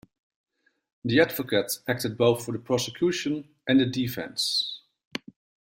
The advocate acted both for the prosecution and the defence.